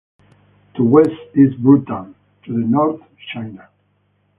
To west is Bhutan, to the north China.